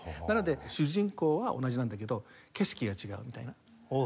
なので主人公は同じなんだけど景色が違うみたいな。